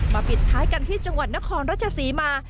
ปิดท้ายกันที่จังหวัดนครราชศรีมา